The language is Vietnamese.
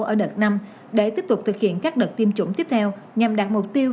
ở đợt năm để tiếp tục thực hiện các đợt tiêm chủng tiếp theo nhằm đạt mục tiêu